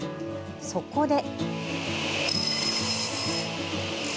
そこで。